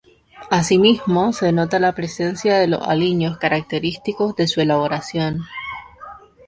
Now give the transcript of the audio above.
Asimismo se nota la presencia de los aliños característicos de su elaboración.